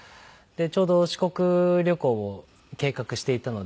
ちょうど四国旅行を計画していたので両親が。